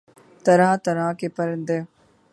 طرح طرح کے پرندے